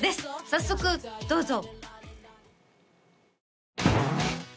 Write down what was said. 早速どうぞ！